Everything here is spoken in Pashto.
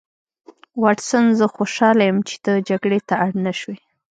واټسن زه خوشحاله یم چې ته جګړې ته اړ نشوې